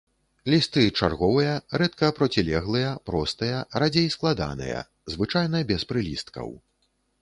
Лісты чарговыя, рэдка процілеглыя, простыя, радзей складаныя, звычайна без прылісткаў.